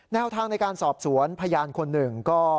แนวทางในการสอบสวนพยานคนหนึ่งก็